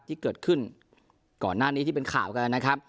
ที่เกิดขึ้นก่อนหน้านี้ที่เป็นข่าวกันนะครับ